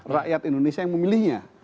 rakyat indonesia yang memilihnya